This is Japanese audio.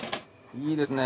いいですね。